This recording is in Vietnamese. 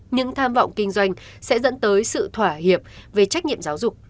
những tham vọng kinh doanh sẽ dẫn tới sự thỏa hiệp về trách nhiệm giáo dục